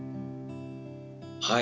はい。